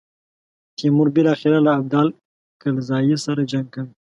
تیمور بالاخره له ابدال کلزايي سره جنګ کوي.